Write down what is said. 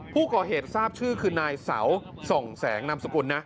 ผู้ก่อเหตุทราบชื่อคือนายเสาส่องแสงนามสกุลนะ